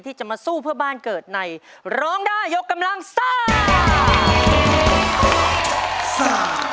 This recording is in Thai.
ที่จะมาสู้เพื่อบ้านเกิดในร้องได้ยกกำลังซ่า